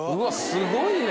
すごいね！